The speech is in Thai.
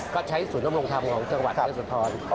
ก็ใช้ศูนย์น้ำลงทำของเมืองสวทธรณ์